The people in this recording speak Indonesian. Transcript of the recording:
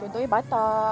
hai contohnya batak